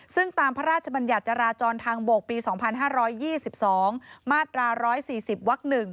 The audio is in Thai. ซึ่งตามพระราชบัญญัติจราจรทางบกปี๒๕๒๒มาตรา๑๔๐วัก๑